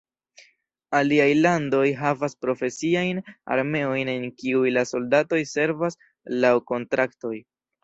Aliaj landoj havas profesiajn armeojn en kiuj la soldatoj servas laŭ kontraktoj.